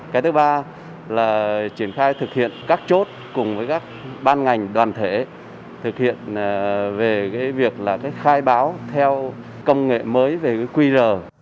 cái thứ ba là triển khai thực hiện các chốt cùng với các ban ngành đoàn thể thực hiện về việc là khai báo theo công nghệ mới về qr